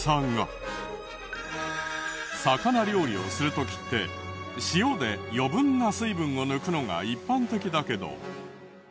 魚料理をする時って塩で余分な水分を抜くのが一般的だけど。